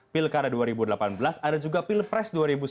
pilkara dua ribu delapan belas ada juga pilpres